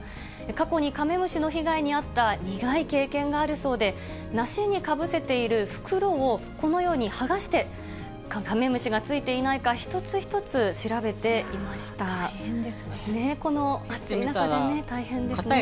過去にカメムシの被害に遭った苦い経験があるそうで、梨にかぶせている袋をこのように剥がして、カメムシがついていな大変ですね。